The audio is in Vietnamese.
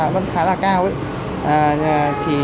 vẫn khá là cao